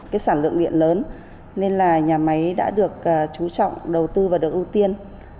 cái sản lượng điện lớn nên là nhà máy đã được chú trọng đầu tư và được ưu tiên